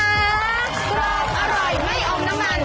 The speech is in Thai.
กรอบอร่อยไม่อมน้ำมัน